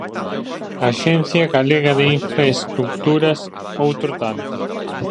Axencia Galega de Infraestruturas, outro tanto.